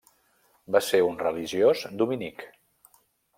Va ser un religiós dominic.